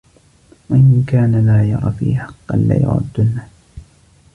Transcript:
وَإِنْ كَانَ لَا يَرَى فِيهِ حَقًّا لَيَرُدَّنَّهُ